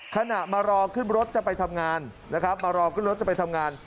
ขณะมารอขึ้นรถจะไปทำงานนะครับมารอขึ้นรถจะไปทำงาน